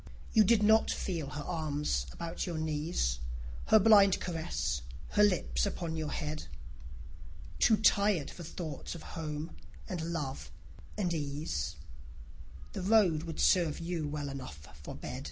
You did not feel her arms about your knees, Her blind caress, her lips upon your head: Too tired for thoughts of home and love and ease, The road would serve you well enough for bed.